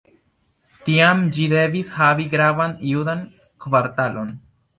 Tiam ĝi devis havi gravan judan kvartalon.